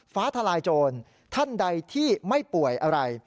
ฟ้าทลายโจรท่านใดที่ไม่ป่วยอะไร